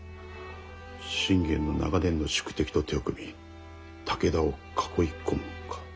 信玄の長年の宿敵と手を組み武田を囲い込むか。